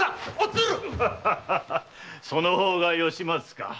その方が吉松か。